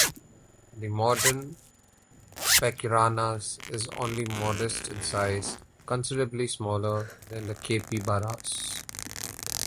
The modern pacarana is only modest in size, considerably smaller than the capybara.